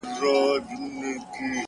هغه دي مړه سي زموږ نه دي په كار”